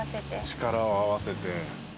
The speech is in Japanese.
力を合わせて。